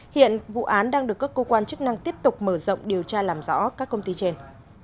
hiện vụ án đang được các cơ quan chức năng tiếp tục mở rộng điều tra làm rõ các công ty trên